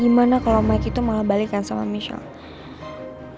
gimana kalo mike itu malah balikin sama michelle